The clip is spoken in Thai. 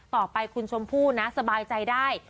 ต่อไปคุณชมพู่นะสบายใจได้